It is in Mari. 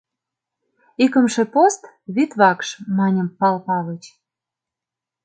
— Икымше пост: вӱд вакш! — мане Пал Палыч.